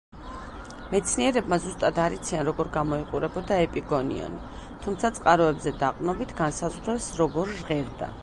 მეცნიერებმა ზუსტად არ იციან, როგორ გამოიყურებოდა ეპიგონიონი, თუმცა წყაროებზე დაყრდნობით განსაზღვრეს როგორ ჟღერდა.